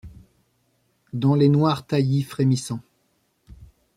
Dans les noirs taillis frémissants ;